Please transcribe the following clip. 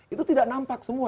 itu tidak nampak semua